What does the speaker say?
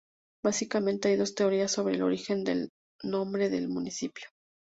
Básicamente hay dos teorías sobre el origen del nombre del municipio.